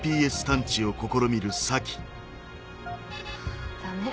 ハァダメ。